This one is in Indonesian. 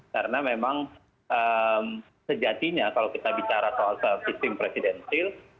karena memang sejatinya kalau kita bicara soal sistem presiden sil